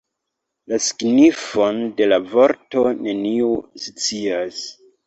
La signifon de la vorto neniu scias.